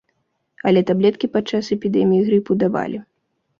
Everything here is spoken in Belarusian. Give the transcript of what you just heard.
Але таблеткі падчас эпідэміі грыпу давалі.